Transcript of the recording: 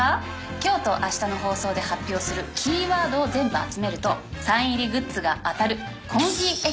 今日と明日の放送で発表するキーワードを全部集めるとサイン入りグッズが当たる。